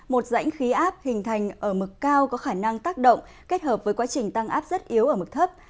một rãnh khí áp hình thành ở mực cao có khả năng tác động kết hợp với quá trình tăng áp rất yếu ở mực thấp